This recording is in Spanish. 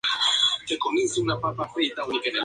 La circunnavegación de Magallanes está dibujada en el globo.